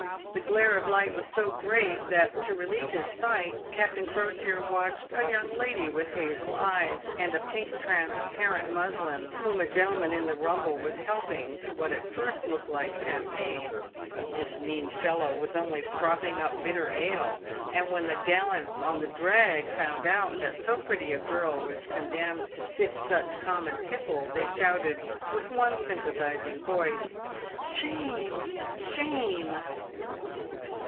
The glare of light was so great that, to relieve his sight, Captain Crosier watched a young lady with hazel eyes and a pink transparent muslin, w r hom a gentleman in the rumble was helping to what at first looked like champagne ; but this mean fellow was only frothing up bitter ale, and, when the gallants on the drag found out that so pretty a girl was condemned to sip such common tipple, they shouted, with one sympathising voice, " Shame ! shame